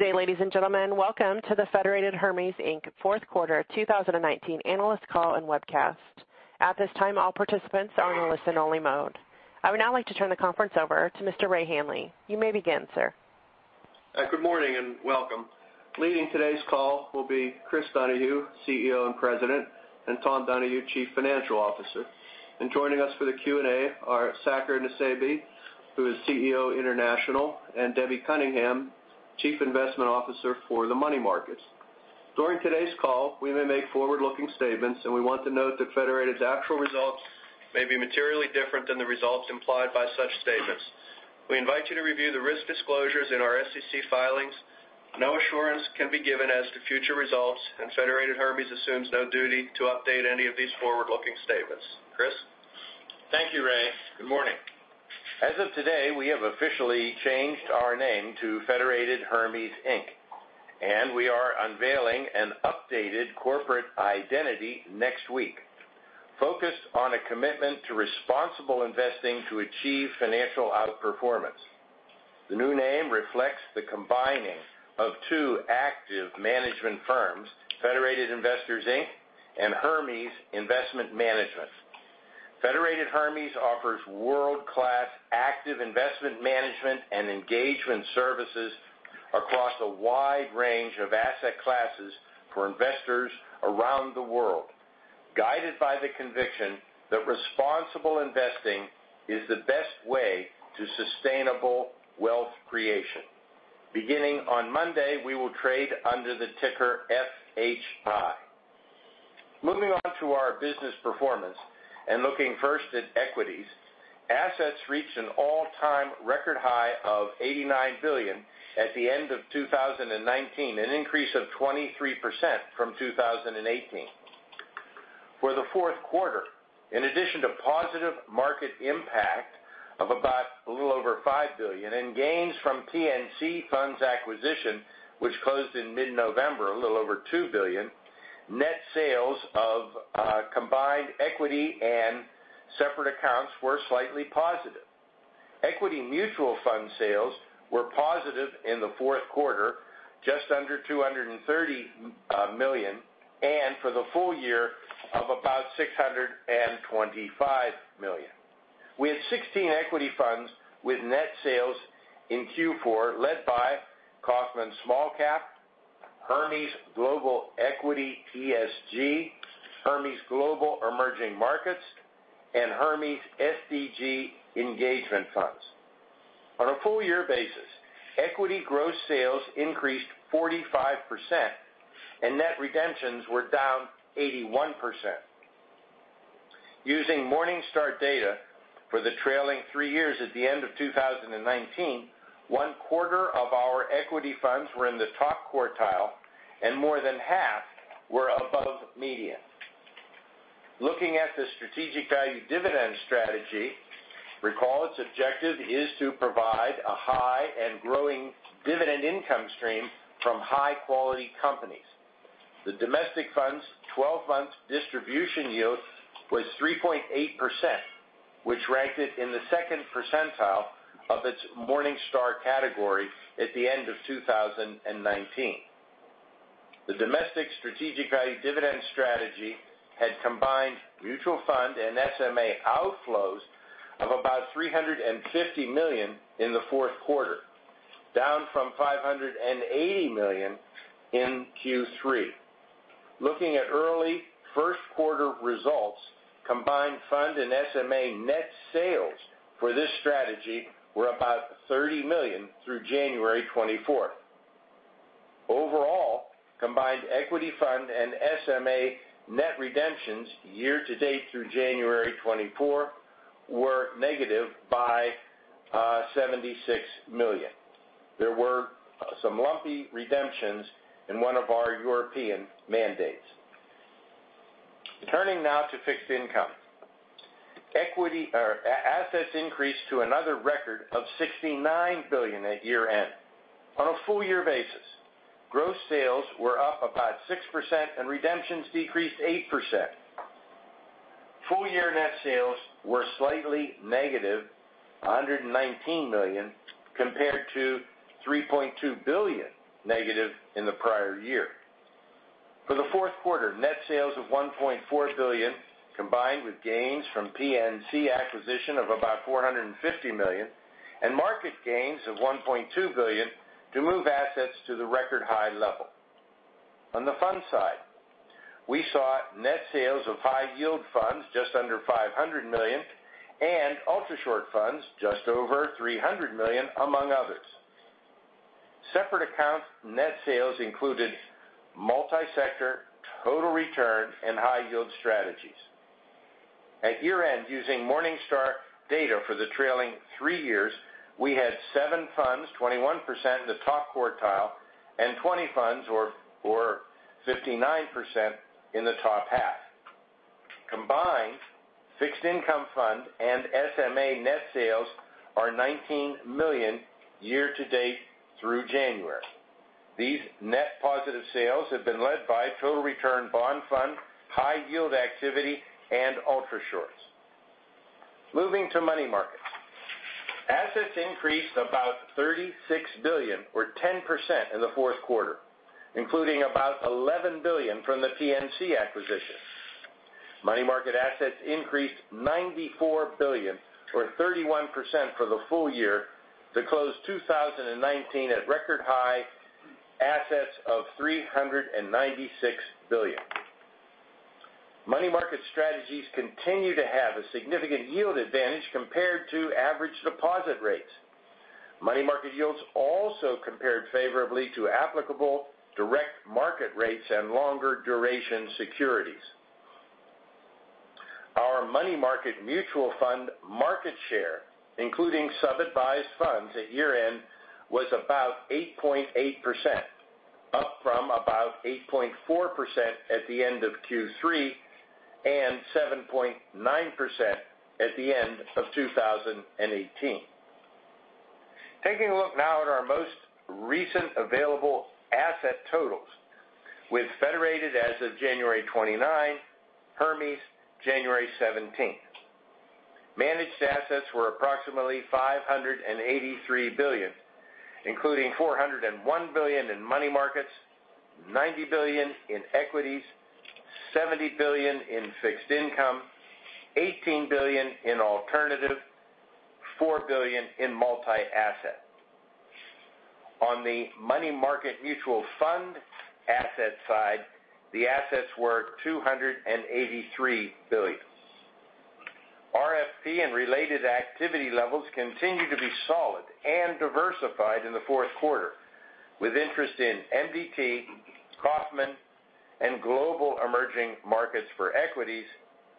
Good day, ladies and gentlemen. Welcome to the Federated Hermes, Inc. fourth quarter 2019 analyst call and webcast. At this time, all participants are in listen only mode. I would now like to turn the conference over to Mr. Ray Hanley. You may begin, sir. Good morning, and welcome. Leading today's call will be Chris Donahue, CEO and President, and Tom Donahue, Chief Financial Officer. Joining us for the Q&A are Saker Nusseibeh, who is CEO International, and Debbie Cunningham, Chief Investment Officer for the money markets. During today's call, we may make forward-looking statements, and we want to note that Federated's actual results may be materially different than the results implied by such statements. We invite you to review the risk disclosures in our SEC filings. No assurance can be given as to future results, and Federated Hermes assumes no duty to update any of these forward-looking statements. Chris? Thank you, Ray. Good morning. As of today, we have officially changed our name to Federated Hermes, Inc. We are unveiling an updated corporate identity next week, focused on a commitment to responsible investing to achieve financial outperformance. The new name reflects the combining of two active management firms, Federated Investors, Inc. and Hermes Investment Management. Federated Hermes offers world-class active investment management and engagement services across a wide range of asset classes for investors around the world, guided by the conviction that responsible investing is the best way to sustainable wealth creation. Beginning on Monday, we will trade under the ticker FHI. Moving on to our business performance and looking first at equities. Assets reached an all-time record high of $89 billion at the end of 2019, an increase of 23% from 2018. For the fourth quarter, in addition to positive market impact of about a little over $5 billion in gains from PNC Funds acquisition, which closed in mid-November, a little over $2 billion, net sales of combined equity and separate accounts were slightly positive. Equity mutual fund sales were positive in the fourth quarter, just under $230 million, and for the full-year of about $625 million. We had 16 equity funds with net sales in Q4, led by Kaufmann Small Cap, Hermes Global Equity ESG, Hermes Global Emerging Markets, and Hermes SDG Engagement Funds. On a full-year basis, equity gross sales increased 45%, and net redemptions were down 81%. Using Morningstar data for the trailing three years at the end of 2019, one-quarter of our equity funds were in the top quartile and more than half were above median. Looking at the strategic value dividend strategy, recall its objective is to provide a high and growing dividend income stream from high-quality companies. The domestic fund's 12-month distribution yield was 3.8%, which ranked it in the second percentile of its Morningstar category at the end of 2019. The domestic strategic value dividend strategy had combined mutual fund and SMA outflows of about $350 million in the fourth quarter, down from $580 million in Q3. Looking at early first-quarter results, combined fund and SMA net sales for this strategy were about $30 million through January 24th. Overall, combined equity fund and SMA net redemptions year-to-date through January 24 were negative by $76 million. There were some lumpy redemptions in one of our European mandates. Turning now to fixed income. Assets increased to another record of $69 billion at year-end. On a full-year basis, gross sales were up about 6% and redemptions decreased 8%. Full-year net sales were slightly negative, $119 million, compared to $3.2 billion negative in the prior year. For the fourth quarter, net sales of $1.4 billion, combined with gains from PNC acquisition of about $450 million and market gains of $1.2 billion to move assets to the record high level. On the fund side, we saw net sales of high-yield funds just under $500 million and ultra-short funds just over $300 million, among others. Separate accounts net sales included multi-sector, total return, and high-yield strategies. At year-end, using Morningstar data for the trailing three years, we had seven funds, 21%, in the top quartile and 20 funds or 59% in the top half. Combined fixed income fund and SMA net sales are $19 million year-to-date through January. These net positive sales have been led by total return bond fund, high-yield activity, and ultra shorts. Moving to money markets. Assets increased about $36 billion or 10% in the fourth quarter, including about $11 billion from the PNC acquisition. Money market assets increased $94 billion or 31% for the full-year to close 2019 at record-high assets of $396 billion. Money market strategies continue to have a significant yield advantage compared to average deposit rates. Money market yields also compared favorably to applicable direct market rates and longer duration securities. Our money market mutual fund market share, including sub-advised funds at year-end, was about 8.8%, up from about 8.4% at the end of Q3, and 7.9% at the end of 2018. Taking a look now at our most recent available asset totals, with Federated as of January 29, Hermes January 17. Managed assets were approximately $583 billion, including $401 billion in money markets, $90 billion in equities, $70 billion in fixed income, $18 billion in alternative, $4 billion in multi-asset. On the money market mutual fund asset side, the assets were $283 billion. RFP and related activity levels continued to be solid and diversified in the fourth quarter, with interest in MDT, Kaufmann, and Global Emerging Markets for equities,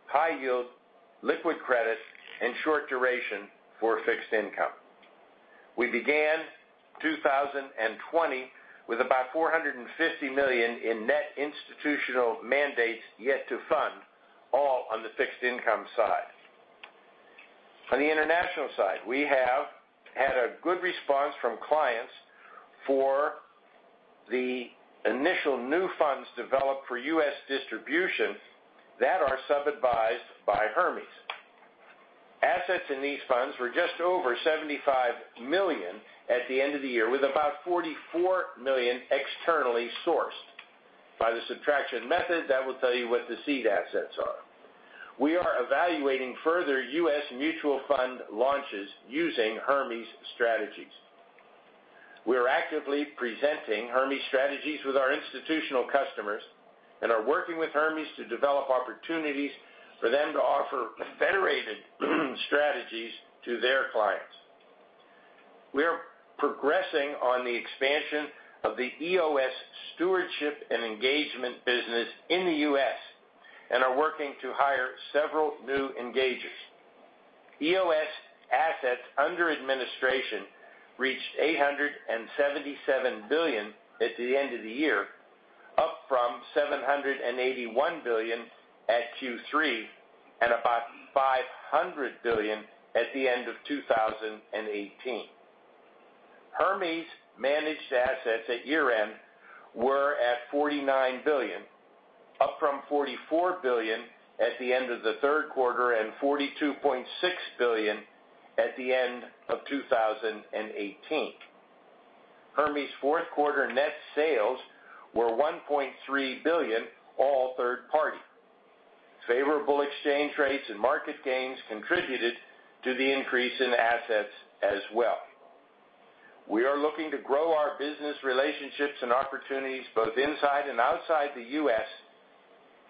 high yield liquid credit, and short duration for fixed income. We began 2020 with about $450 million in net institutional mandates yet to fund, all on the fixed income side. On the international side, we have had a good response from clients for the initial new funds developed for U.S. distribution that are sub-advised by Hermes. Assets in these funds were just over $75 million at the end of the year, with about $44 million externally sourced. By the subtraction method, that will tell you what the seed assets are. We are evaluating further U.S. mutual fund launches using Hermes strategies. We are actively presenting Hermes strategies with our institutional customers and are working with Hermes to develop opportunities for them to offer Federated strategies to their clients. We are progressing on the expansion of the EOS stewardship and engagement business in the U.S. and are working to hire several new engagers. EOS assets under administration reached $877 billion at the end of the year, up from $781 billion at Q3, and about $500 billion at the end of 2018. Hermes managed assets at year-end were at $49 billion, up from $44 billion at the end of the third quarter and $42.6 billion at the end of 2018. Hermes' fourth quarter net sales were $1.3 billion, all third party. Favorable exchange rates and market gains contributed to the increase in assets as well. We are looking to grow our business relationships and opportunities both inside and outside the U.S.,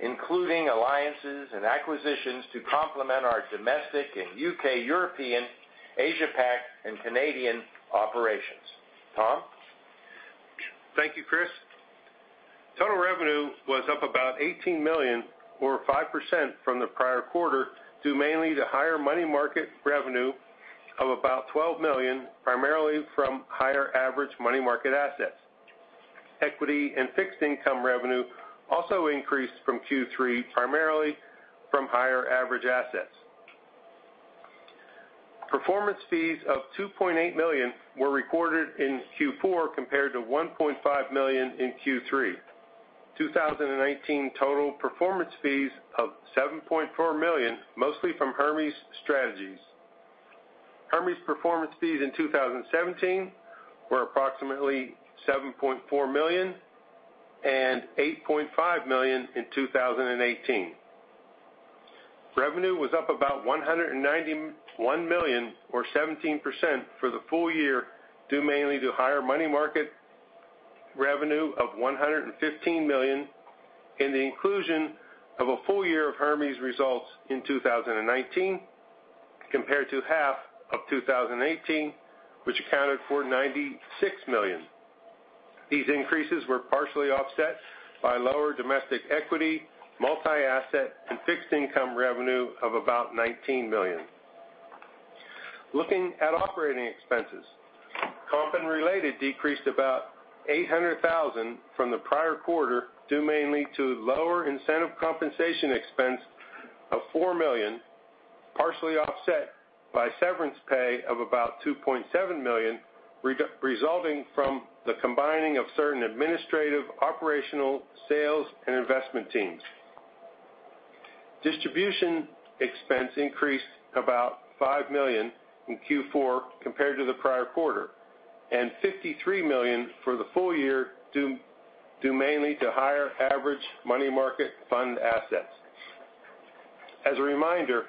including alliances and acquisitions to complement our domestic and U.K., European, Asia-Pac, and Canadian operations. Tom? Thank you, Chris. Total revenue was up about $18 million or 5% from the prior quarter, due mainly to higher money market revenue of about $12 million, primarily from higher average money market assets. Equity and fixed income revenue also increased from Q3, primarily from higher average assets. Performance fees of $2.8 million were recorded in Q4 compared to $1.5 million in Q3. 2019 total performance fees of $7.4 million, mostly from Hermes Strategies. Hermes performance fees in 2017 were approximately $7.4 million and $8.5 million in 2018. Revenue was up about $191 million or 17% for the full-year, due mainly to higher money market revenue of $115 million in the inclusion of a full-year of Hermes results in 2019, compared to half of 2018, which accounted for $96 million. These increases were partially offset by lower domestic equity, multi-asset, and fixed income revenue of about $19 million. Looking at operating expenses. Comp and related decreased about $800,000 from the prior quarter, due mainly to lower incentive compensation expense of $4 million, partially offset by severance pay of about $2.7 million, resulting from the combining of certain administrative, operational, sales, and investment teams. Distribution expense increased about $5 million in Q4 compared to the prior quarter, and $53 million for the full-year, due mainly to higher average money market fund assets. As a reminder,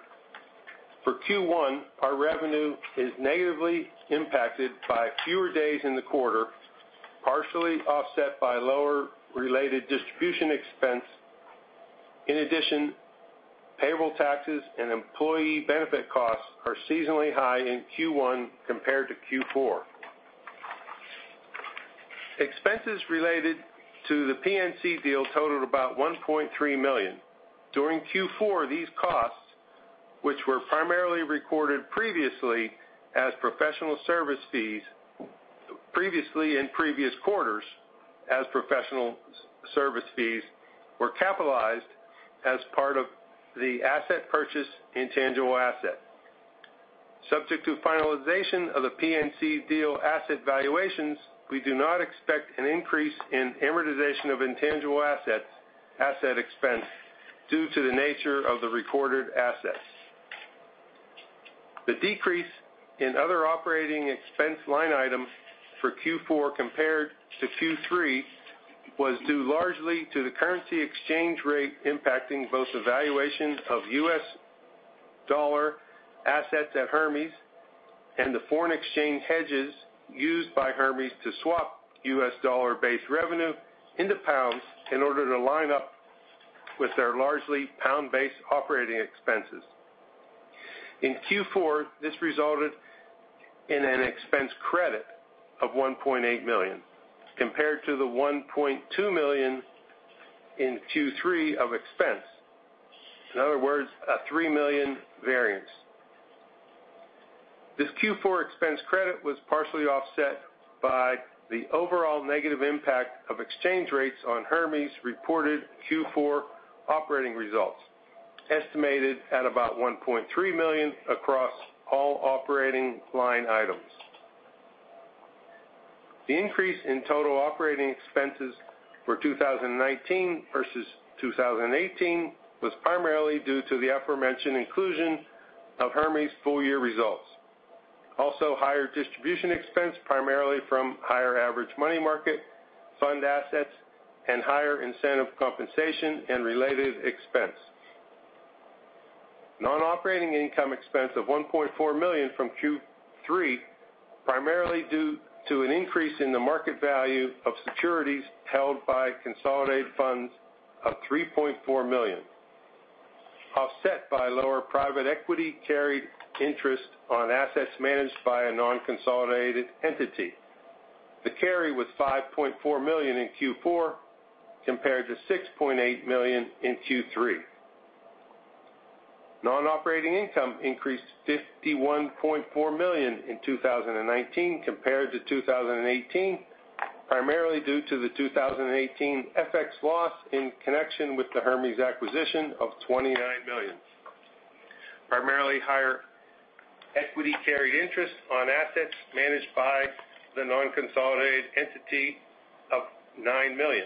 for Q1, our revenue is negatively impacted by fewer days in the quarter, partially offset by lower related distribution expense. Payable taxes and employee benefit costs are seasonally high in Q1 compared to Q4. Expenses related to the PNC deal totaled about $1.3 million. During Q4, these costs, which were primarily recorded previously in previous quarters as professional service fees, were capitalized as part of the asset purchase intangible asset. Subject to finalization of the PNC deal asset valuations, we do not expect an increase in amortization of intangible asset expense due to the nature of the recorded assets. The decrease in other operating expense line items for Q4 compared to Q3 was due largely to the currency exchange rate impacting both the valuation of U.S. dollar assets at Hermes and the foreign exchange hedges used by Hermes to swap U.S. dollar-based revenue into pounds in order to line up with their largely pound-based operating expenses. In Q4, this resulted in an expense credit of 1.8 million, compared to the 1.2 million in Q3 of expense. In other words, a 3 million variance. This Q4 expense credit was partially offset by the overall negative impact of exchange rates on Hermes' reported Q4 operating results, estimated at about 1.3 million across all operating line items. The increase in total operating expenses for 2019 versus 2018 was primarily due to the aforementioned inclusion of Hermes' full-year results. Higher distribution expense, primarily from higher average money market fund assets and higher incentive compensation and related expense. Non-operating income expense of $1.4 million from Q3, primarily due to an increase in the market value of securities held by consolidated funds of $3.4 million, offset by lower private equity carried interest on assets managed by a non-consolidated entity. The carry was $5.4 million in Q4 compared to $6.8 million in Q3. Non-operating income increased $51.4 million in 2019 compared to 2018, primarily due to the 2018 FX loss in connection with the Hermes acquisition of $29 million. Primarily higher equity carried interest on assets managed by the non-consolidated entity of $9 million,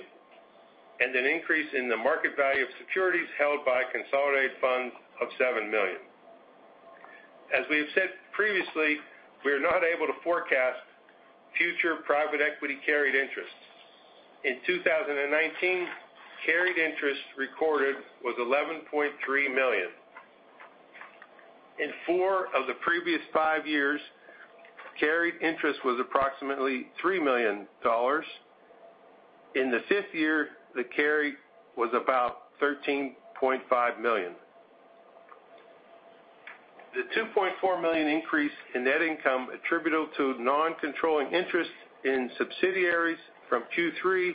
and an increase in the market value of securities held by consolidated funds of $7 million. As we have said previously, we are not able to forecast future private equity carried interests. In 2019, carried interest recorded was $11.3 million. In four of the previous five years, carried interest was approximately $3 million. In the fifth year, the carry was about $13.5 million. The $2.4 million increase in net income attributable to non-controlling interests in subsidiaries from Q3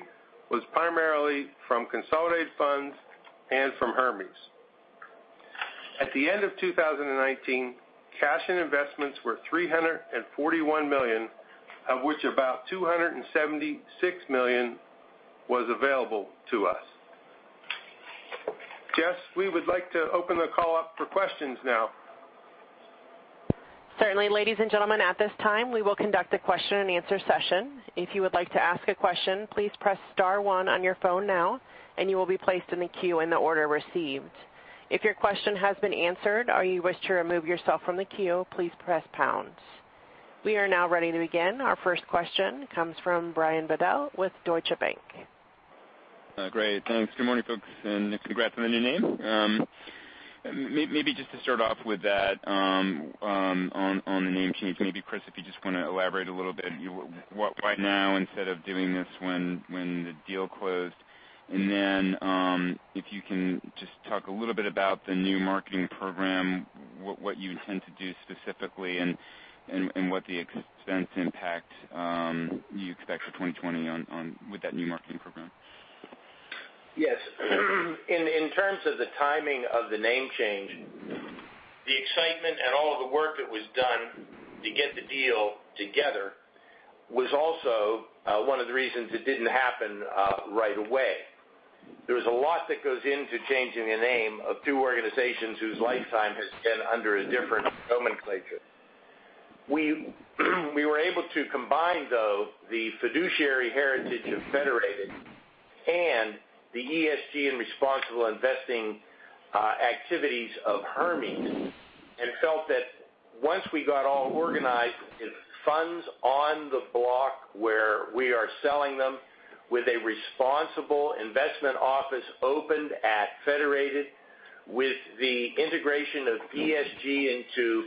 was primarily from consolidated funds and from Hermes. At the end of 2019, cash and investments were $341 million, of which about $276 million was available to us. Jess, we would like to open the call up for questions now. Certainly. Ladies and gentlemen, at this time, we will conduct a question and answer session. If you would like to ask a question, please press star one on your phone now, and you will be placed in the queue in the order received. If your question has been answered or you wish to remove yourself from the queue, please press pound. We are now ready to begin. Our first question comes from Brian Bedell with Deutsche Bank. Great. Thanks. Good morning, folks. Congrats on the new name. Maybe just to start off with that on the name change, maybe Chris, if you just want to elaborate a little bit why now instead of doing this when the deal closed? If you can just talk a little bit about the new marketing program, what you intend to do specifically and what the expense impact you expect for 2020 with that new marketing program. Yes. In terms of the timing of the name change, the excitement and all of the work that was done to get the deal together was also one of the reasons it didn't happen right away. There's a lot that goes into changing a name of two organizations whose lifetime has been under a different nomenclature. We were able to combine, though, the fiduciary heritage of Federated and the ESG and responsible investing activities of Hermes, and felt that once we got all organized, with funds on the block where we are selling them, with a responsible investment office opened at Federated, with the integration of ESG into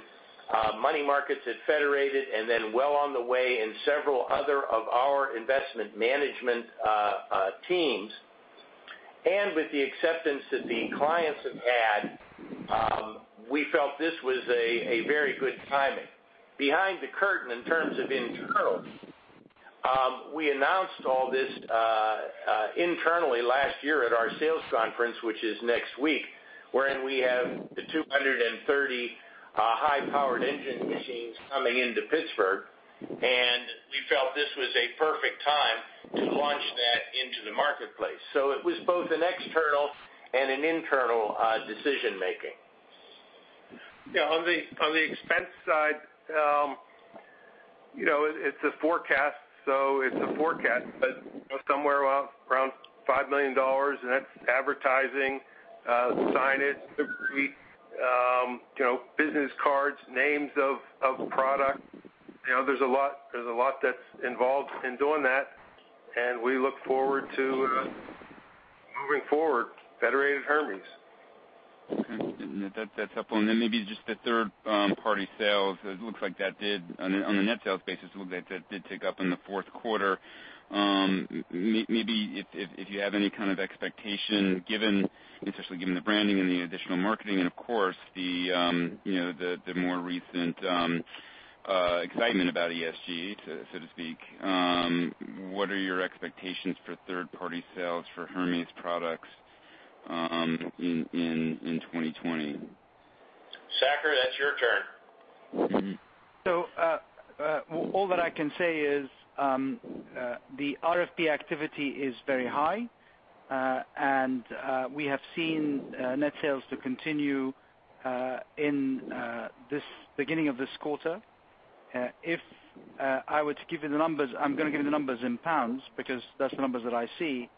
money markets at Federated, and then well on the way in several other of our investment management teams. With the acceptance that the clients have had, we felt this was a very good timing. Behind the curtain, in terms of internal, we announced all this internally last year at our sales conference, which is next week, wherein we have the 230 high-powered engine machines coming into Pittsburgh. We felt this was a perfect time to launch that into the marketplace. It was both an external and an internal decision-making. Yeah, on the expense side, it's a forecast. It's a forecast. Somewhere around $5 million, and that's advertising, signage, business cards, names of product. There's a lot that's involved in doing that. We look forward to moving forward Federated Hermes. Okay. That's helpful. Maybe just the third-party sales. It looks like that did, on the net sales basis, that did tick up in the fourth quarter. Maybe if you have any kind of expectation, especially given the branding and the additional marketing and of course, the more recent excitement about ESG, so to speak, what are your expectations for third-party sales for Hermes products in 2020? Saker, that's your turn. All that I can say is the RFP activity is very high. We have seen net sales to continue in beginning of this quarter. If I were to give you the numbers, I'm going to give you the numbers in pounds, because that's the numbers that I see.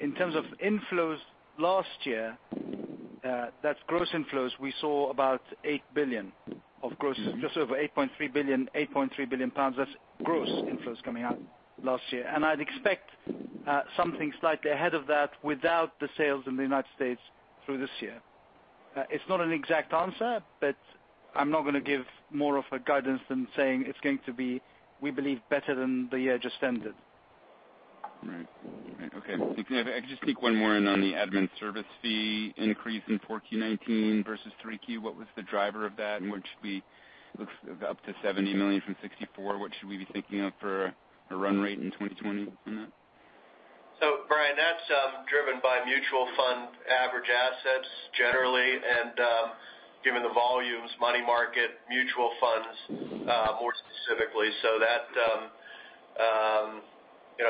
In terms of inflows last year, that's gross inflows, we saw about 8 billion. Of gross, just over 8.3 billion. That's gross inflows coming out last year. I'd expect something slightly ahead of that without the sales in the U.S. through this year. It's not an exact answer, but I'm not going to give more of a guidance than saying it's going to be, we believe, better than the year just ended. Right. Okay. If I could just sneak one more in on the admin service fee increase in 4Q 2019 versus 3Q. What was the driver of that, and looks up to $70 million from $64 million? What should we be thinking of for a run rate in 2020 on that? Brian, that's driven by mutual fund average assets generally, and given the volumes, money market mutual funds more specifically.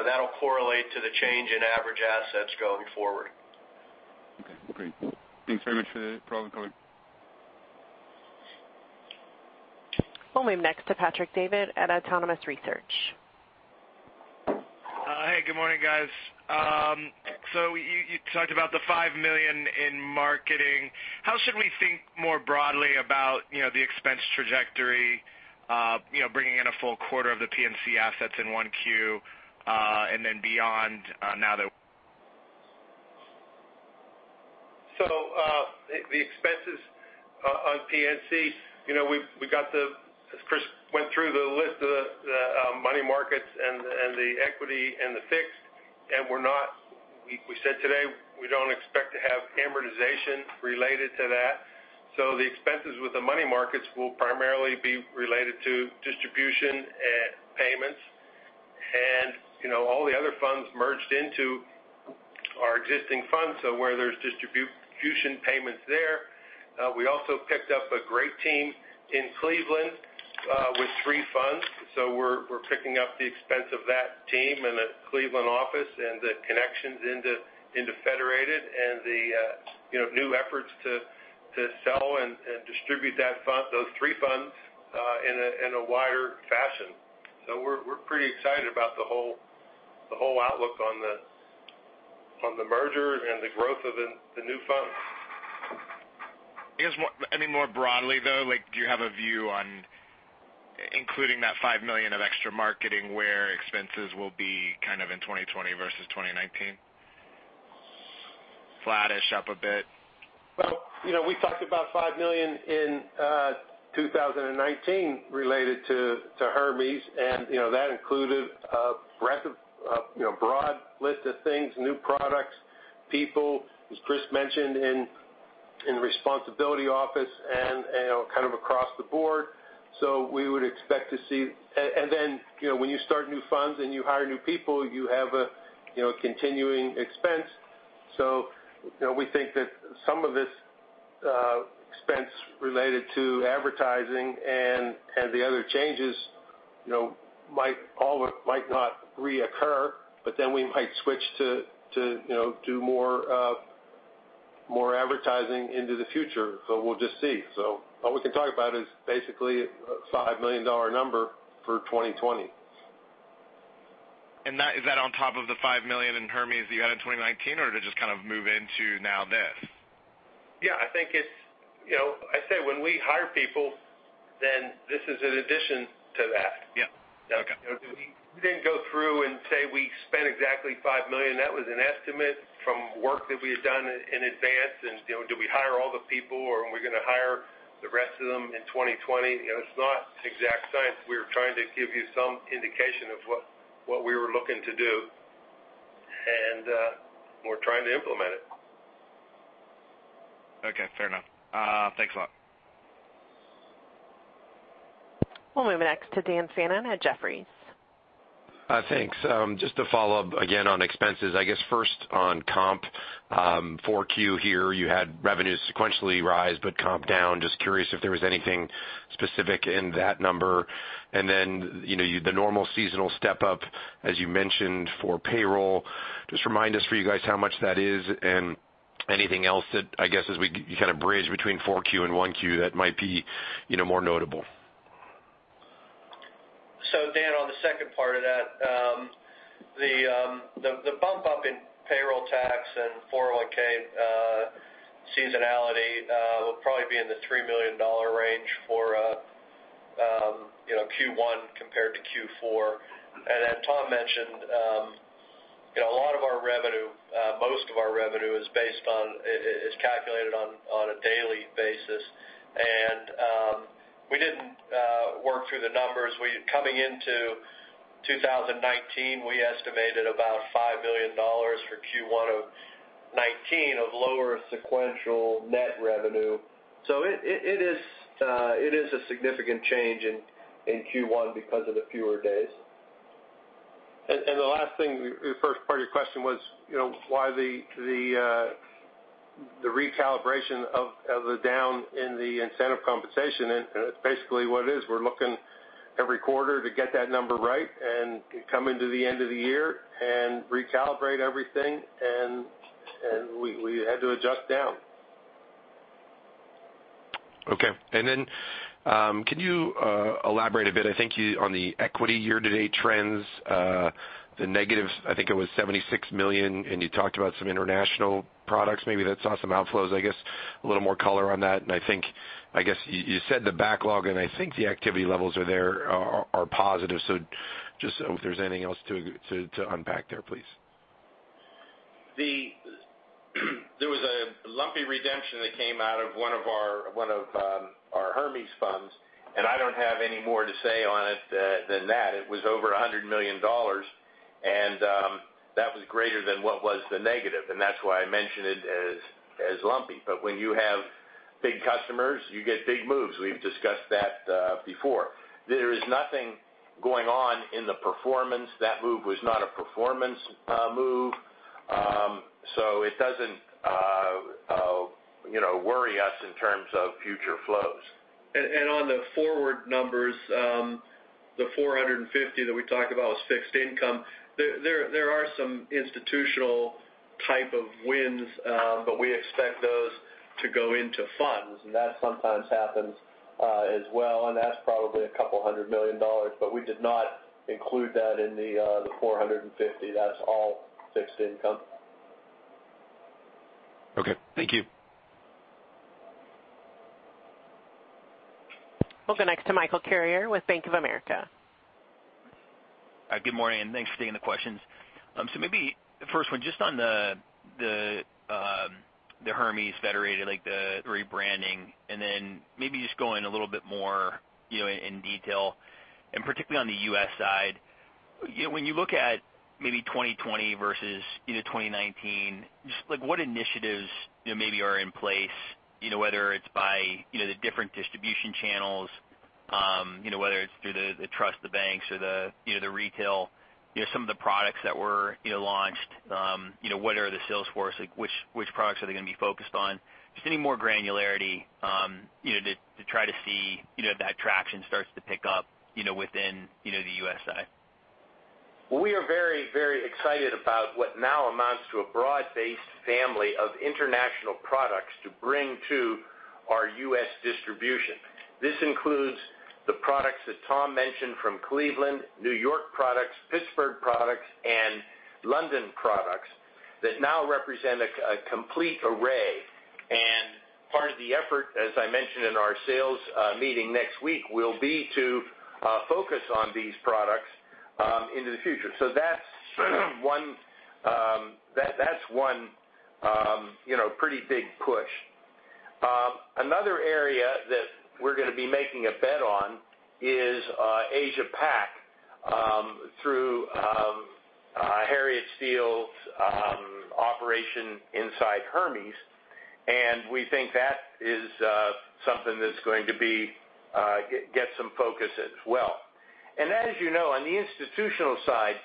That'll correlate to the change in average assets going forward. Okay, great. Thanks very much for all the color. We'll move next to Patrick Davitt at Autonomous Research. Hey, good morning, guys. You talked about the $5 million in marketing. How should we think more broadly about the expense trajectory, bringing in a full quarter of the PNC assets in 1Q, and then beyond now that. The expenses on PNC, as Chris went through the list of the money markets and the equity and the fixed, and we said today, we don't expect to have amortization related to that. The expenses with the money markets will primarily be related to distribution payments and all the other funds merged into our existing funds, so where there's distribution payments there. We also picked up a great team in Cleveland with three funds. We're picking up the expense of that team and the Cleveland office and the connections into Federated and the new efforts to sell and distribute those three funds in a wider fashion. We're pretty excited about the whole outlook on the merger and the growth of the new funds. I guess, more broadly, though, do you have a view on including that $5 million of extra marketing where expenses will be in 2020 versus 2019? Flattish, up a bit? We talked about $5 million in 2019 related to Hermes, that included a broad list of things, new products, people, as Chris mentioned, in responsibility office and kind of across the board. We would expect to see. When you start new funds and you hire new people, you have a continuing expense. We think that some of this expense related to advertising and the other changes might not reoccur. We might switch to do more advertising into the future. We'll just see. All we can talk about is basically a $5 million number for 2020. Is that on top of the $5 million in Hermes that you had in 2019, or did it just move into now this? Yeah, I say when we hire people, then this is an addition to that. Yeah. Okay. We didn't go through and say we spent exactly $5 million. That was an estimate from work that we had done in advance. Do we hire all the people, or are we going to hire the rest of them in 2020? It's not an exact science. We were trying to give you some indication of what we were looking to do, and we're trying to implement it. Okay, fair enough. Thanks a lot. We'll move next to Dan Fannon at Jefferies. Thanks. Just to follow up again on expenses, I guess first on comp, 4Q here you had revenues sequentially rise but comp down. Just curious if there was anything specific in that number. Then, the normal seasonal step-up as you mentioned for payroll, just remind us for you guys how much that is and anything else that, I guess as we kind of bridge between 4Q and 1Q, that might be more notable. Dan, on the second part of that, the bump up in payroll tax and 401 seasonality will probably be in the $3 million range for Q1 compared to Q4. As Tom mentioned, most of our revenue is calculated on a daily basis. We didn't work through the numbers. Coming into 2019, we estimated about $5 million for Q1 of 2019 of lower sequential net revenue. It is a significant change in Q1 because of the fewer days. The last thing, the first part of your question was why the recalibration of the down in the incentive compensation. Basically what it is, we're looking every quarter to get that number right and coming to the end of the year and recalibrate everything, and we had to adjust down. Okay. Can you elaborate a bit, I think on the equity year-to-date trends, the negative, I think it was $76 million, and you talked about some international products maybe that saw some outflows. I guess a little more color on that. I guess you said the backlog, I think the activity levels are there are positive. Just if there's anything else to unpack there, please. There was a lumpy redemption that came out of one of our Hermes funds. I don't have any more to say on it than that. It was over $100 million. That was greater than what was the negative, and that's why I mention it as lumpy. When you have big customers, you get big moves. We've discussed that before. There is nothing going on in the performance. That move was not a performance move. It doesn't worry us in terms of future flows. On the forward numbers, the $450 million that we talked about was fixed income. There are some institutional type of wins, but we expect those to go into funds, and that sometimes happens as well. That's probably a couple hundred million dollars, but we did not include that in the $450 million. That's all fixed income. Okay. Thank you. We'll go next to Michael Carrier with Bank of America. Good morning. Thanks for taking the questions. Maybe the first one, just on the Hermes, like the rebranding, and then maybe just going a little bit more in detail, and particularly on the U.S. side. When you look at maybe 2020 versus 2019, just what initiatives maybe are in place, whether it's by the different distribution channels, whether it's through the trust, the banks, or the retail, some of the products that were launched, what are the sales force, like which products are they going to be focused on? Just any more granularity to try to see that traction starts to pick up within the U.S. side. Well, we are very excited about what now amounts to a broad-based family of international products to bring to our U.S. distribution. This includes the products that Tom mentioned from Cleveland, New York products, Pittsburgh products, and London products that now represent a complete array. Part of the effort, as I mentioned in our sales meeting next week, will be to focus on these products into the future. That's one pretty big push. Another area that we're going to be making a bet on is Asia-Pac through Harriet Steel's operation inside Hermes, and we think that is something that's going to get some focus as well. As you know, on the institutional side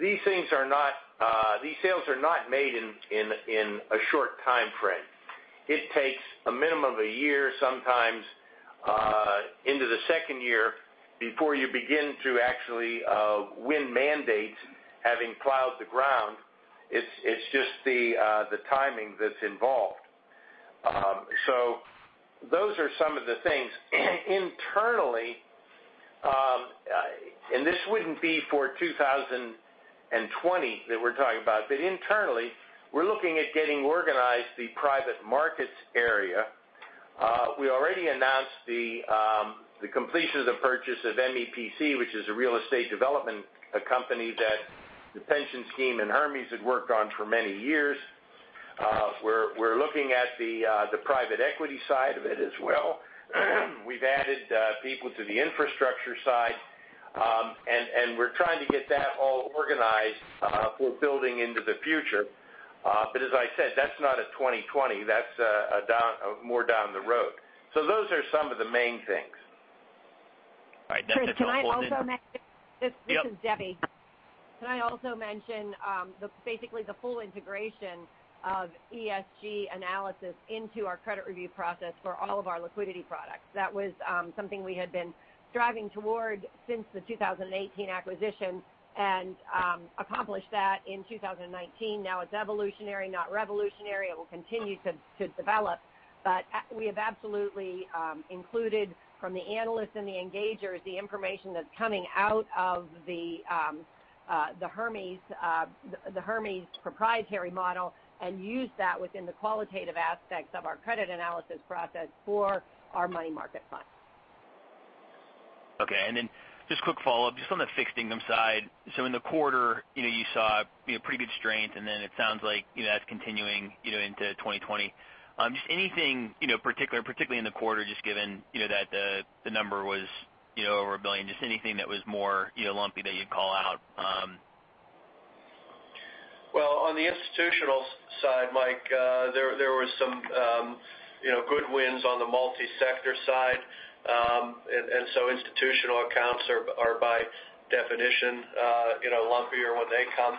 These sales are not made in a short timeframe. It takes a minimum of a year, sometimes into the second year before you begin to actually win mandates having plowed the ground. It's just the timing that's involved. Those are some of the things internally. This wouldn't be for 2020 that we're talking about, but internally, we're looking at getting organized the private markets area. We already announced the completion of the purchase of MEPC, which is a real estate development company that the pension scheme and Hermes had worked on for many years. We're looking at the private equity side of it as well. We've added people to the infrastructure side, and we're trying to get that all organized for building into the future. As I said, that's not a 2020. That's more down the road. Those are some of the main things. All right. That's helpful. Chris, can I also mention? Yep. This is Debbie. Can I also mention, basically the full integration of ESG analysis into our credit review process for all of our liquidity products. That was something we had been striving toward since the 2018 acquisition and accomplished that in 2019. Now it's evolutionary, not revolutionary. It will continue to develop. We have absolutely included from the analysts and the engagers, the information that's coming out of the Hermes proprietary model and use that within the qualitative aspects of our credit analysis process for our money market fund. Okay. Just quick follow-up, just on the fixed income side. In the quarter, you saw pretty good strength, and then it sounds like that's continuing into 2020. Just anything particular, particularly in the quarter, just given that the number was over $1 billion, just anything that was more lumpy that you'd call out? Well, on the institutional side, Mike, there was some good wins on the multi-sector side. Institutional accounts are by definition lumpier when they come.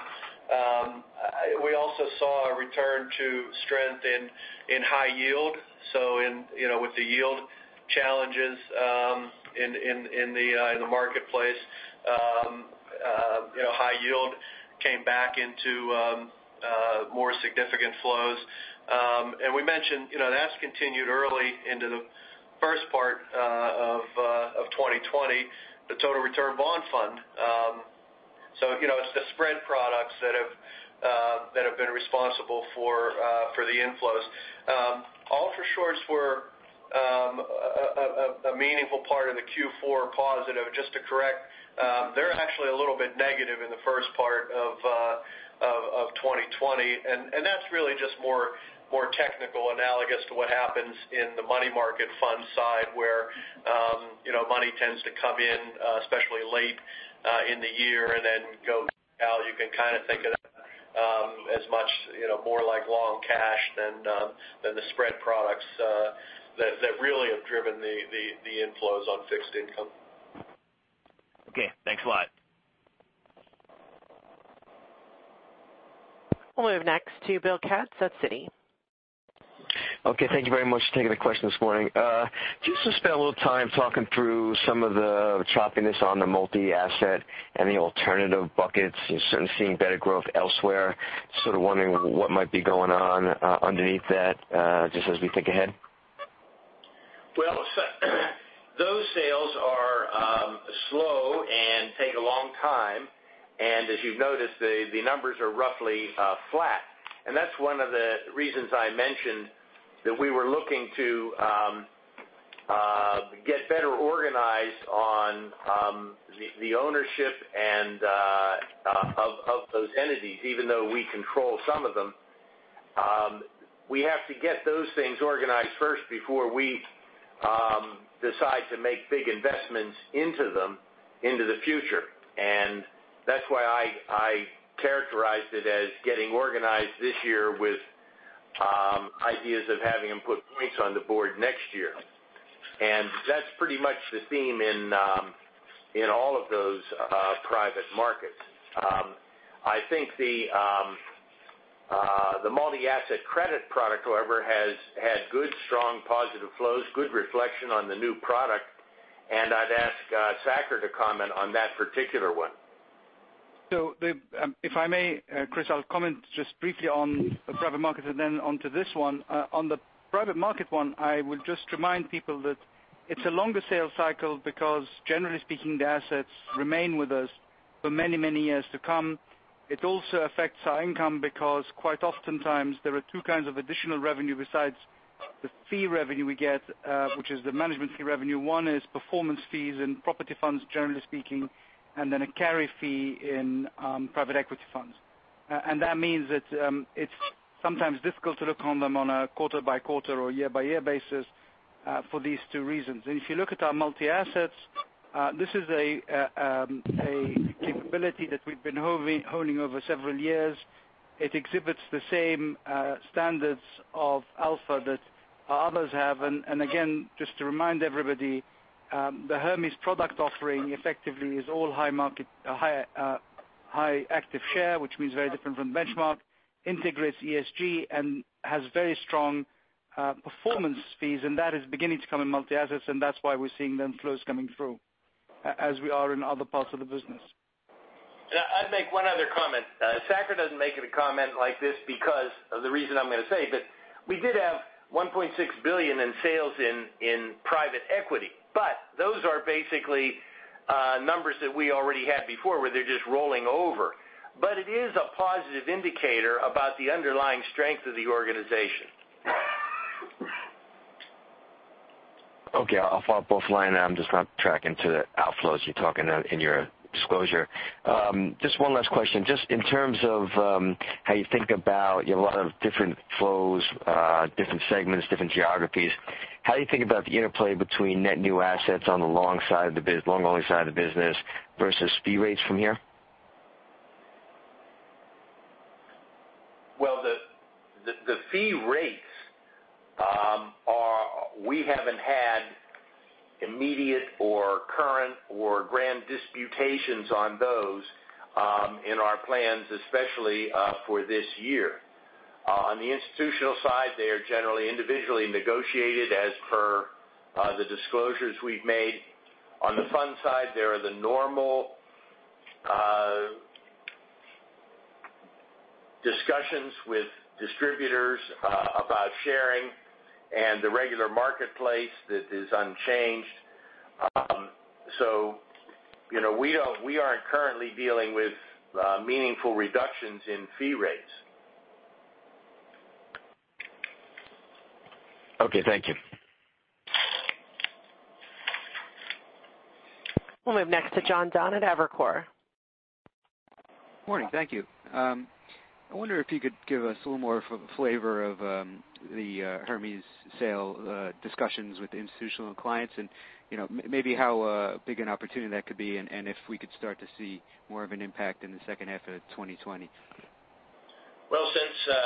We also saw a return to strength in high yield. With the yield challenges in the marketplace, high yield came back into more significant flows. We mentioned that's continued early into the first part of 2020, the total return bond fund. It's the spread products that have been responsible for the inflows. Ultra shorts were a meaningful part of the Q4 positive, just to correct. They're actually a little bit negative in the first part of 2020. That's really just more technical analogous to what happens in the money market fund side, where money tends to come in, especially late in the year and then go out. You can kind of think of that as much more like long cash than the spread products that really have driven the inflows on fixed income. Okay, thanks a lot. We'll move next to Bill Katz at Citi. Okay, thank you very much for taking the question this morning. Just to spend a little time talking through some of the choppiness on the multi-asset and the alternative buckets. You are certainly seeing better growth elsewhere, so wondering what might be going on underneath that just as we think ahead. Well, those sales are slow and take a long time, and as you've noticed, the numbers are roughly flat. That's one of the reasons I mentioned that we were looking to get better organized on the ownership of those entities, even though we control some of them. We have to get those things organized first before we decide to make big investments into them into the future. That's why I characterized it as getting organized this year with ideas of having them put points on the board next year. That's pretty much the theme in all of those private markets. I think the multi-asset credit product, however, has had good, strong positive flows, good reflection on the new product, and I'd ask Saker to comment on that particular one. If I may, Chris, I'll comment just briefly on the private market and then onto this one. On the private market one, I would just remind people that it's a longer sales cycle because generally speaking, the assets remain with us for many, many years to come. It also affects our income because quite oftentimes there are two kinds of additional revenue besides the fee revenue we get, which is the management fee revenue. One is performance fees in property funds, generally speaking, and then a carry fee in private equity funds. That means that it's sometimes difficult to look on them on a quarter by quarter or year by year basis for these two reasons. If you look at our multi-assets, this is a capability that we've been honing over several years. It exhibits the same standards of alpha that others have. Again, just to remind everybody, the Hermes product offering effectively is all high active share, which means very different from benchmark, integrates ESG and has very strong performance fees. That is beginning to come in multi-assets, and that's why we're seeing the inflows coming through, as we are in other parts of the business. I'd make one other comment. Saker doesn't make a comment like this because of the reason I'm going to say, but we did have $1.6 billion in sales in private equity. Those are basically numbers that we already had before, where they're just rolling over. It is a positive indicator about the underlying strength of the organization. Okay. I'll follow up offline. I'm just not tracking to the outflows you're talking about in your disclosure. Just one last question. Just in terms of how you think about a lot of different flows, different segments, different geographies, how do you think about the interplay between net new assets on the long-only side of the business versus fee rates from here? Well, the fee rates, we haven't had immediate or current or grand disputations on those in our plans, especially for this year. On the institutional side, they are generally individually negotiated as per the disclosures we've made. On the fund side, there are the normal discussions with distributors about sharing and the regular marketplace that is unchanged. We aren't currently dealing with meaningful reductions in fee rates. Okay. Thank you. We'll move next to John Dunn at Evercore. Morning. Thank you. I wonder if you could give us a little more flavor of the Hermes sale discussions with institutional clients and maybe how big an opportunity that could be, and if we could start to see more of an impact in the second half of 2020? Well, since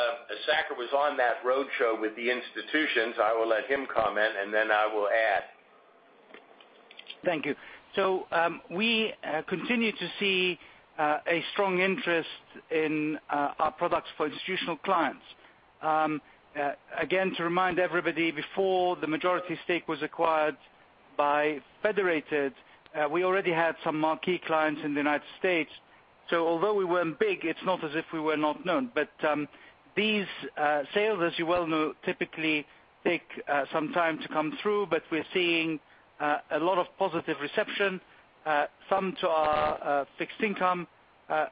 Saker was on that roadshow with the institutions, I will let him comment, and then I will add. Thank you. We continue to see a strong interest in our products for institutional clients. Again, to remind everybody, before the majority stake was acquired by Federated, we already had some marquee clients in the U.S. Although we weren't big, it's not as if we were not known. These sales, as you well know, typically take some time to come through, but we're seeing a lot of positive reception, some to our fixed income.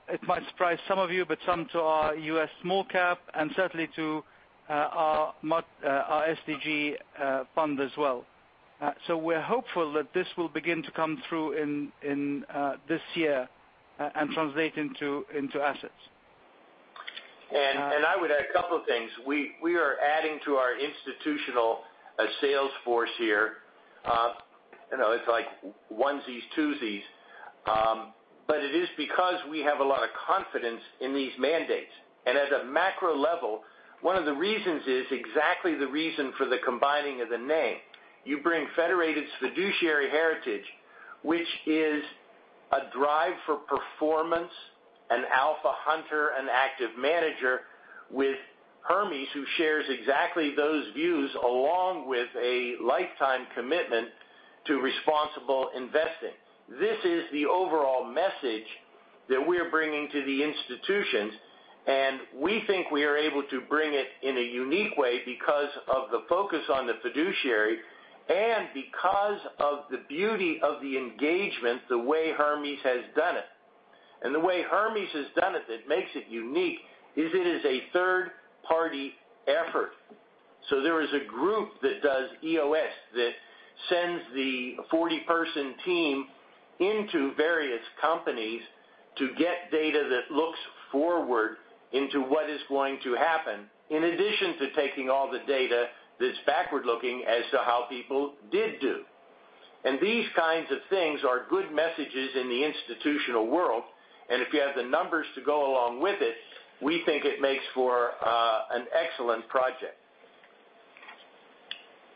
It might surprise some of you, but some to our U.S. small cap and certainly to our SDG fund as well. We're hopeful that this will begin to come through this year and translate into assets. I would add a couple of things. We are adding to our institutional sales force here. It is like onesies, twosies. It is because we have a lot of confidence in these mandates. At a macro level, one of the reasons is exactly the reason for the combining of the name. You bring Federated's fiduciary heritage, which is a drive for performance, an alpha hunter, an active manager with Hermes, who shares exactly those views along with a lifetime commitment to responsible investing. This is the overall message that we are bringing to the institutions, and we think we are able to bring it in a unique way because of the focus on the fiduciary and because of the beauty of the engagement, the way Hermes has done it. The way Hermes has done it that makes it unique is it is a third-party effort. There is a group that does EOS that sends the 40-person team into various companies to get data that looks forward into what is going to happen, in addition to taking all the data that's backward-looking as to how people did do. These kinds of things are good messages in the institutional world. If you have the numbers to go along with it, we think it makes for an excellent project.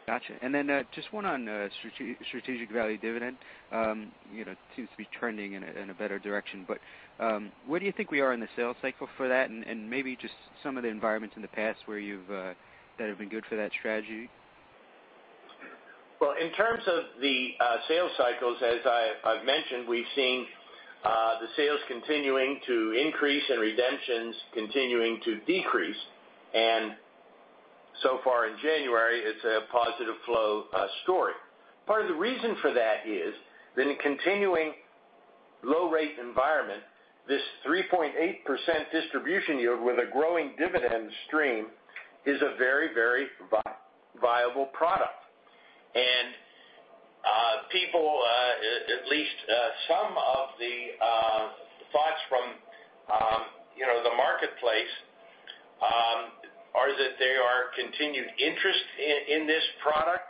Got you. Just one on strategic value dividend. Seems to be trending in a better direction, but where do you think we are in the sales cycle for that? Maybe just some of the environments in the past that have been good for that strategy? Well, in terms of the sales cycles, as I've mentioned, we've seen the sales continuing to increase and redemptions continuing to decrease. So far in January, it's a positive flow story. Part of the reason for that is that in a continuing low-rate environment, this 3.8% distribution yield with a growing dividend stream is a very viable product. people, at least some of the thoughts from the marketplace are that they are continued interest in this product,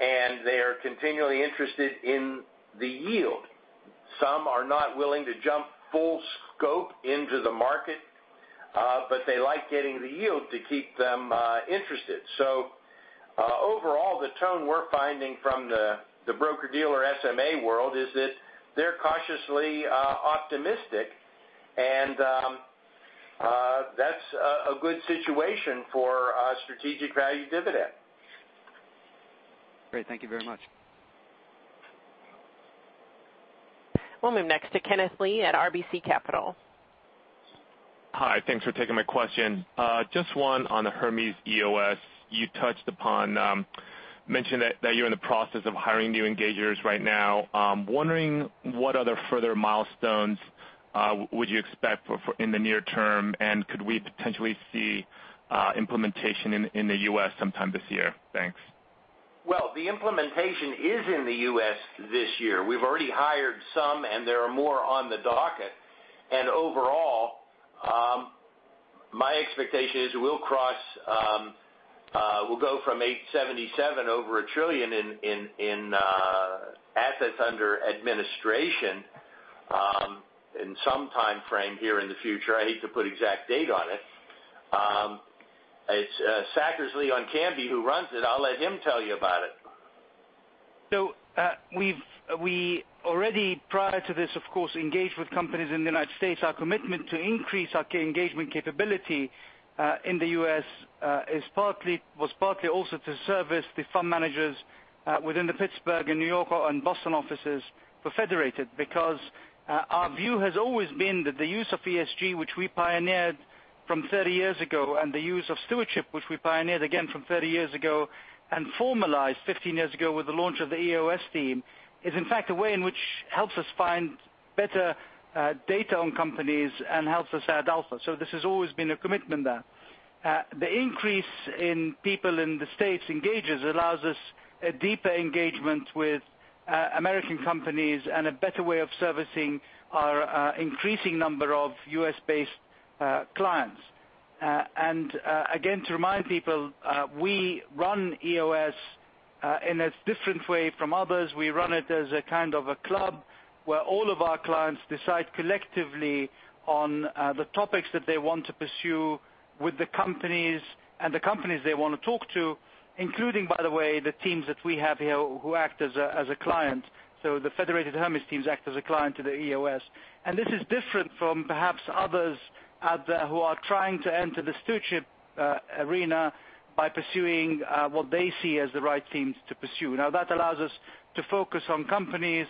and they are continually interested in the yield. Some are not willing to jump full scope into the market, but they like getting the yield to keep them interested. Overall, the tone we're finding from the broker-dealer SMA world is that they're cautiously optimistic, and that's a good situation for Strategic Value Dividend. Great. Thank you very much. We'll move next to Kenneth Lee at RBC Capital. Hi. Thanks for taking my question. Just one on the Hermes EOS you touched upon. You mentioned that you're in the process of hiring new engagers right now. I am wondering what other further milestones would you expect in the near term, and could we potentially see implementation in the U.S. sometime this year? Thanks. Well, the implementation is in the U.S. this year. We've already hired some, and there are more on the docket. Overall, my expectation is we'll go from $877 billion, over $1 trillion in assets under administration in some timeframe here in the future. I hate to put exact date on it. It's Saker, who runs it. I'll let him tell you about it. We already, prior to this, of course, engaged with companies in the United States. Our commitment to increase our engagement capability, in the U.S., was partly also to service the fund managers within the Pittsburgh and New York and Boston offices for Federated. Our view has always been that the use of ESG, which we pioneered from 30 years ago, and the use of stewardship, which we pioneered again from 30 years ago and formalized 15 years ago with the launch of the EOS team, is in fact a way in which helps us find better data on companies and helps us add alpha. This has always been a commitment there. The increase in people in the U.S. engages, allows us a deeper engagement with American companies and a better way of servicing our increasing number of U.S.-based clients. Again, to remind people, we run EOS in a different way from others. We run it as a kind of a club where all of our clients decide collectively on the topics that they want to pursue with the companies and the companies they want to talk to, including, by the way, the teams that we have here who act as a client. The Federated Hermes teams act as a client to the EOS. This is different from perhaps others out there who are trying to enter the stewardship arena by pursuing what they see as the right teams to pursue. Now, that allows us to focus on companies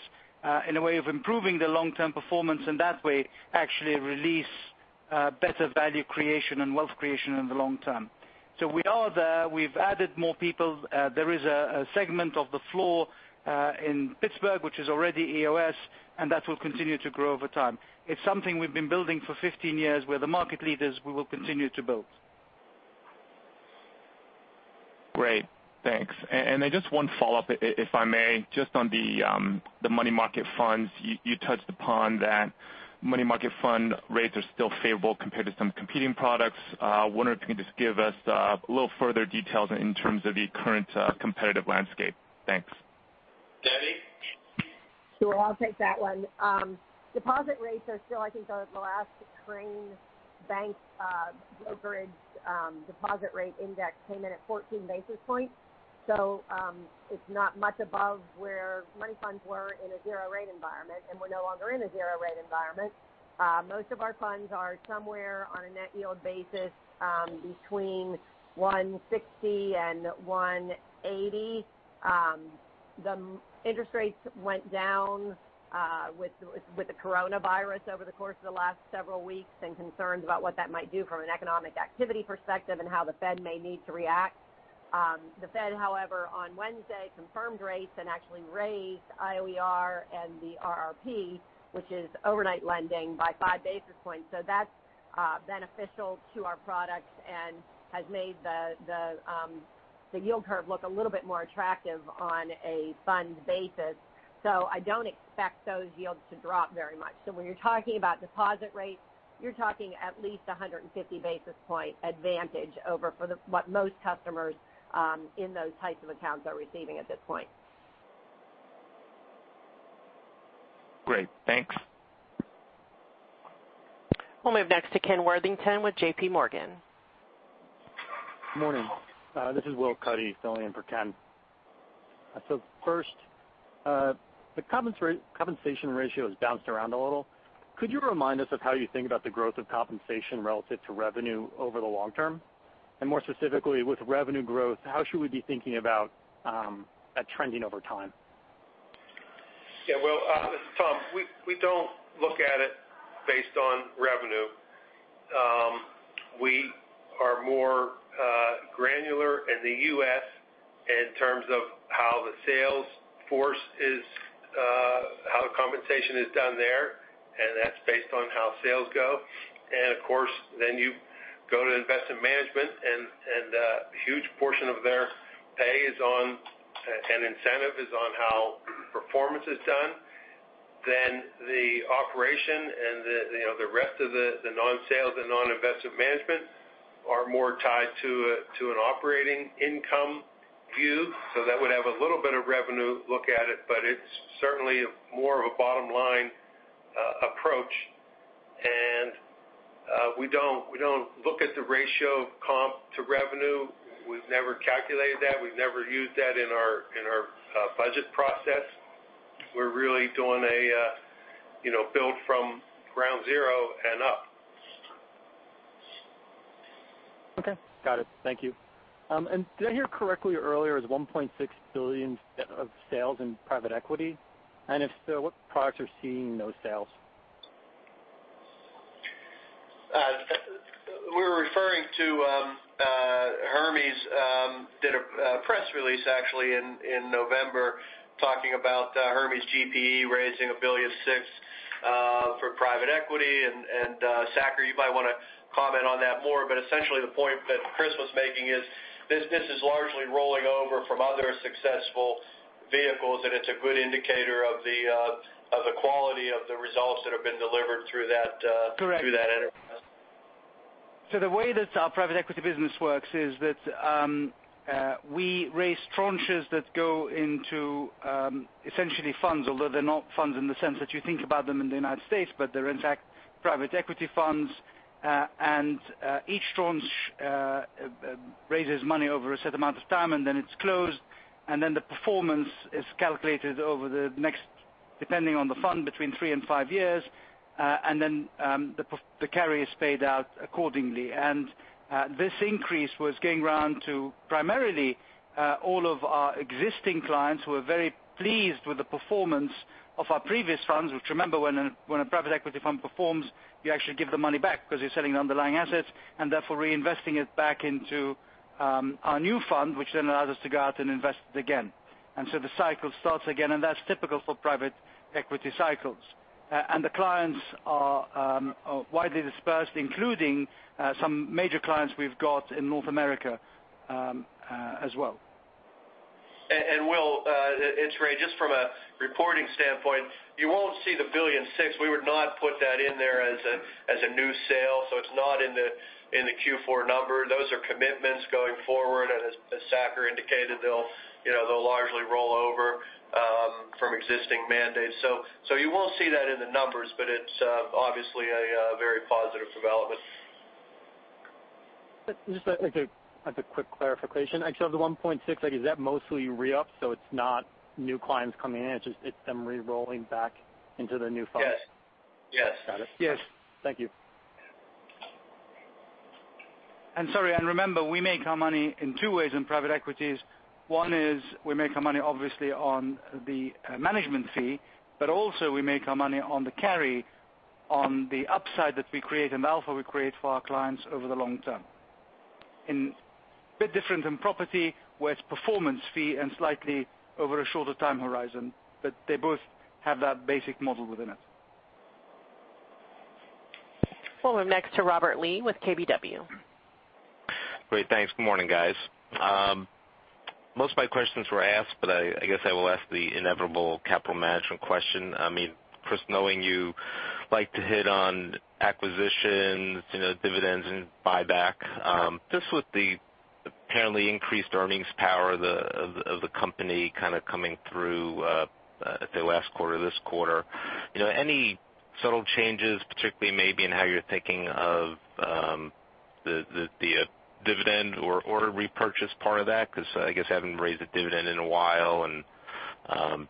in a way of improving the long-term performance, and that way actually release better value creation and wealth creation in the long term. We are there. We've added more people. There is a segment of the floor in Pittsburgh, which is already EOS, and that will continue to grow over time. It's something we've been building for 15 years. We're the market leaders. We will continue to build. Great. Thanks. Just one follow-up, if I may. Just on the money market funds, you touched upon that money market fund rates are still favorable compared to some competing products. I wonder if you can just give us a little further details in terms of the current competitive landscape. Thanks. Debbie? Sure. I'll take that one. Deposit rates are still, I think, the last Crane Data brokerage deposit rate index came in at 14 basis points. It's not much above where money funds were in a zero rate environment, and we're no longer in a zero rate environment. Most of our funds are somewhere on a net yield basis, between 160 and 180 basis points. The interest rates went down with the Coronavirus over the course of the last several weeks and concerns about what that might do from an economic activity perspective and how the Fed may need to react. The Fed, however, on Wednesday, confirmed rates and actually raised IOER and the RRP, which is overnight lending, by five basis points. That's beneficial to our products and has made the yield curve look a little bit more attractive on a fund basis. I don't expect those yields to drop very much. When you're talking about deposit rates, you're talking at least 150 basis point advantage over what most customers in those types of accounts are receiving at this point. Great. Thanks. We'll move next to Ken Worthington with JPMorgan. Morning. This is Will Cuddy filling in for Ken. First, the compensation ratio has bounced around a little. Could you remind us of how you think about the growth of compensation relative to revenue over the long term? More specifically, with revenue growth, how should we be thinking about that trending over time? Yeah, Will, this is Tom. We don't look at it based on revenue. We are more granular in the U.S. in terms of how the compensation is done there, and that's based on how sales go. Of course, then you go to investment management, and a huge portion of their pay and incentive is on how performance is done. The operation and the rest of the non-sales and non-investment management are more tied to an operating income view. That would have a little bit of revenue look at it, but it's certainly more of a bottom-line approach. We don't look at the ratio comp to revenue. We've never calculated that. We've never used that in our budget process. We're really doing a build from ground zero and up. Okay, got it. Thank you. Did I hear correctly earlier, is $1.6 billion of sales in private equity? If so, what products are seeing those sales? We were referring to Hermes did a press release actually in November talking about Hermes GPE raising $1.6 billion for private equity. Saker, you might want to comment on that more, but essentially the point that Chris was making is this is largely rolling over from other successful vehicles, and it's a good indicator of the quality of the results that have been delivered through that enterprise. Correct. The way that our private equity business works is that we raise tranches that go into essentially funds, although they're not funds in the sense that you think about them in the United States, but they're in fact private equity funds. Each tranche raises money over a set amount of time, and then it's closed, and then the performance is calculated over the next, depending on the fund, between three and five years. The carry is paid out accordingly. This increase was going around to primarily all of our existing clients who are very pleased with the performance of our previous funds, which remember, when a private equity fund performs, you actually give the money back because you're selling underlying assets, and therefore reinvesting it back into our new fund, which then allows us to go out and invest it again. The cycle starts again, and that's typical for private equity cycles. The clients are widely dispersed, including some major clients we've got in North America as well. Will, it's Ray, just from a reporting standpoint, you won't see the $1.6 billion. We would not put that in there as a new sale. It's not in the Q4 number. Those are commitments going forward, and as Saker indicated, they'll largely roll over from existing mandates. You won't see that in the numbers, but it's obviously a very positive development. Just like a quick clarification. The $1.6 billion, is that mostly re-ups, so it's not new clients coming in? It's them re-rolling back into the new funds? Yes. Got it. Yes. Thank you. Sorry, remember, we make our money in two ways in private equities. One is we make our money obviously on the management fee, but also we make our money on the carry on the upside that we create and the alpha we create for our clients over the long term. A bit different than property, where it's performance fee and slightly over a shorter time horizon, but they both have that basic model within it. We'll move next to Robert Lee with KBW. Great, thanks. Good morning, guys. Most of my questions were asked. I guess I will ask the inevitable capital management question. Chris, knowing you like to hit on acquisitions, dividends, and buyback, just with the apparently increased earnings power of the company kind of coming through at the last quarter, this quarter. Any subtle changes, particularly maybe in how you're thinking of the dividend or repurchase part of that? I guess you haven't raised a dividend in a while, and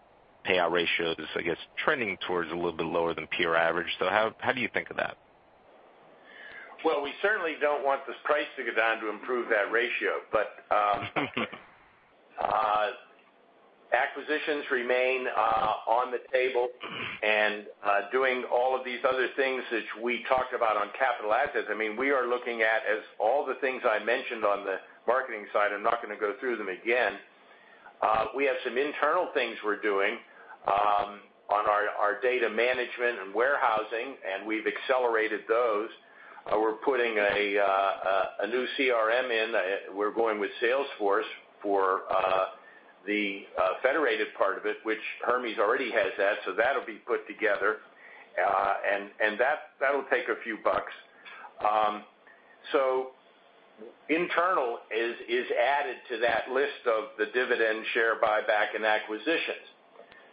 payout ratio is, I guess, trending towards a little bit lower than peer average. How do you think of that? We certainly don't want this price to go down to improve that ratio. Acquisitions remain on the table and doing all of these other things which we talked about on capital assets. We are looking at all the things I mentioned on the marketing side. I'm not going to go through them again. We have some internal things we're doing on our data management and warehousing, and we've accelerated those. We're putting a new CRM in. We're going with Salesforce for the Federated part of it, which Hermes already has that, so that'll be put together. That'll take a few bucks. Internal is added to that list of the dividend share buyback and acquisitions.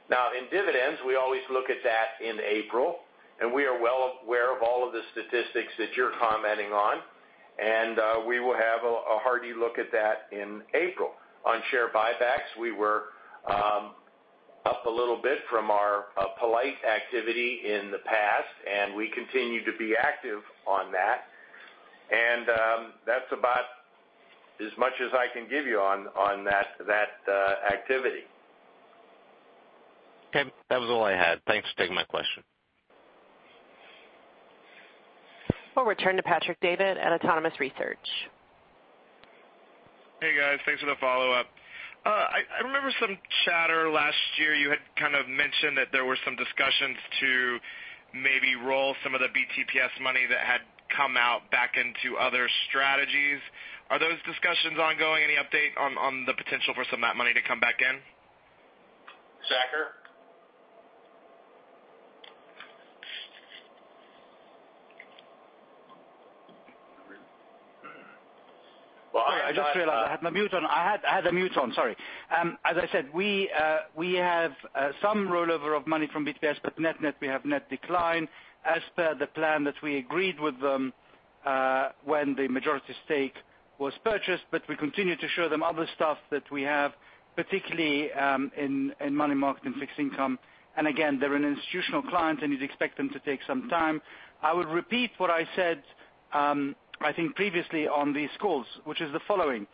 In dividends, we always look at that in April, and we are well aware of all of the statistics that you're commenting on, and we will have a hearty look at that in April. On share buybacks, we were up a little bit from our prior activity in the past, and we continue to be active on that. That's about as much as I can give you on that activity. Okay. That was all I had. Thanks for taking my question. We'll return to Patrick Davitt at Autonomous Research. Hey, guys. Thanks for the follow-up. I remember some chatter last year. You had kind of mentioned that there were some discussions to maybe roll some of the BTPS money that had come out back into other strategies. Are those discussions ongoing? Any update on the potential for some of that money to come back in? Saker? Well, I just realized I had my mute on. I had a mute on, sorry. As I said, we have some rollover of money from BTPS, net-net, we have net decline as per the plan that we agreed with them when the majority stake was purchased. We continue to show them other stuff that we have, particularly in money market and fixed income. Again, they're an institutional client, and you'd expect them to take some time. I would repeat what I said, I think previously on these calls, which is the following.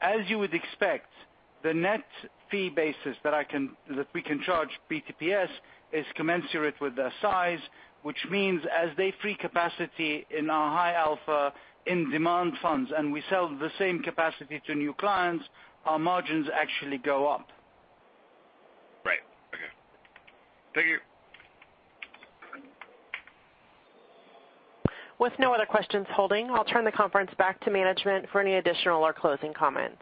As you would expect, the net fee basis that we can charge BTPS is commensurate with their size, which means as they free capacity in our high alpha in-demand funds, and we sell the same capacity to new clients, our margins actually go up. Right. Okay. Thank you. With no other questions holding, I'll turn the conference back to management for any additional or closing comments.